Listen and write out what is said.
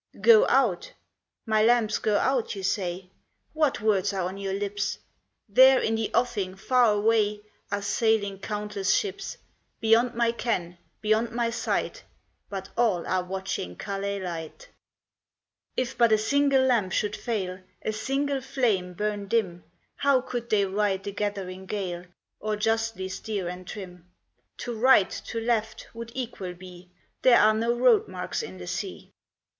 " Go out ? My lamps go out, you say ? What words are on your lips ? There, in the offing far away, Are sailing countless ships, Beyond my ken, beyond my sight, But all are watching Calais Light. A CLOUD OF WITNESSES fl If but a single lamp should fail, A single flame burn dim, How could they ride the gathering gale, Or justly steer and trim? To right, to left, would equal be, There are no road marks in the sea.